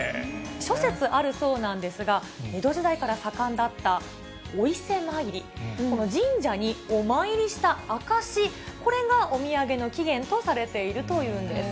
諸説あるそうなんですが、江戸時代から盛んだったお伊勢参り、神社にお参りした証し、これがお土産の起源とされているというんです。